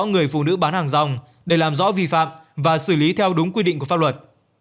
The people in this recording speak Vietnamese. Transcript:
người phụ nữ bán hàng rong để làm rõ vi phạm và xử lý theo đúng quy định của pháp luật